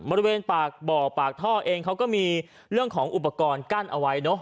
บริเวณปากบ่อปากท่อเองเขาก็มีเรื่องของอุปกรณ์กั้นเอาไว้เนอะ